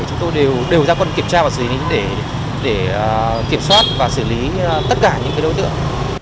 chúng tôi đều ra quân kiểm tra và xử lý để kiểm soát và xử lý tất cả những đối tượng